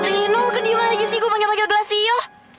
linol kecema aja sih gua panggil panggil gelasio